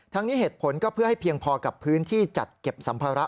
นี้เหตุผลก็เพื่อให้เพียงพอกับพื้นที่จัดเก็บสัมภาระ